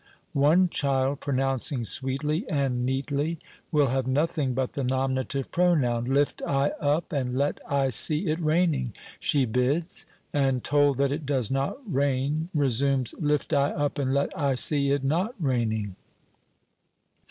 One child, pronouncing sweetly and neatly, will have nothing but the nominative pronoun. "Lift I up and let I see it raining," she bids; and told that it does not rain, resumes, "Lift I up and let I see it not raining."